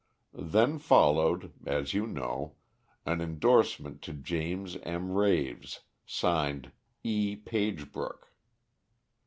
Then followed, as you know, an indorsement to James M. Raves, signed 'E. Pagebrook.'